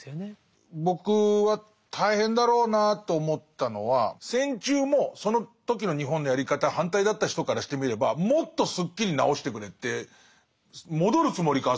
僕は大変だろうなと思ったのは戦中もその時の日本のやり方に反対だった人からしてみればもっとすっきりなおしてくれって戻るつもりか